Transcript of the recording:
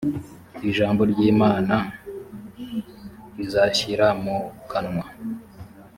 ijambo ry’imana izashyira mu kanwa